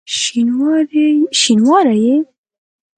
شینواری یې؟!